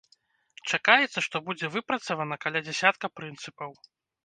Чакаецца, што будзе выпрацавана каля дзясятка прынцыпаў.